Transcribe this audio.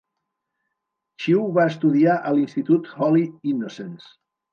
Chew va estudiar a l'institut Holy Innocents.